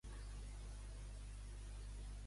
Em dius quins quioscs hi ha a prop meu?